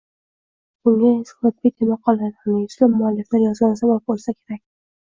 Bunga ensiklopediya maqolalarini yuzlab mualliflar yozgani sabab boʻlsa kerak